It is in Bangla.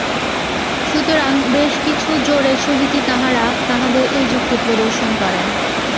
সুতরাং বেশ কিছু জোরের সহিতই তাঁহারা তাঁহাদের এই যুক্তি প্রদর্শন করেন।